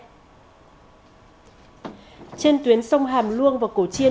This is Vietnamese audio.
trên tuyến sông hàm luông và cổ chiên